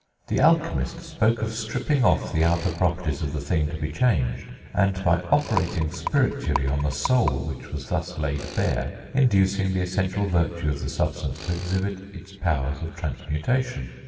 The alchemist spoke of stripping off the outer properties of the thing to be changed, and, by operating spiritually on the soul which was thus laid bare, inducing the essential virtue of the substance to exhibit its powers of transmutation.